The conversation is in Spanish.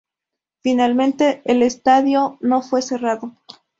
Finalmente el estadio no fue cerrado.